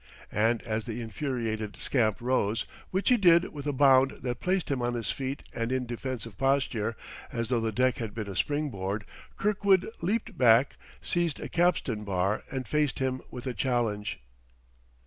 And as the infuriated scamp rose which he did with a bound that placed him on his feet and in defensive posture; as though the deck had been a spring board Kirkwood leaped back, seized a capstan bar, and faced him with a challenge.